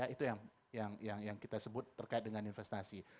itu yang kita sebut terkait dengan investasi